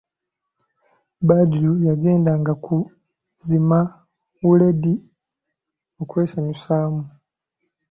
Badru yagendanga ku zimawuledi okwesanyusamu.